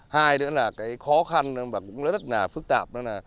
hai nữa là khó khăn và rất phức tạp